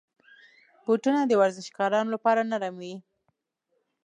بوټونه د ورزشکارانو لپاره نرم وي.